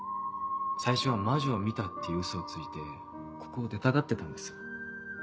最初は「魔女を見た」ってウソをついてここを出たがってたんです。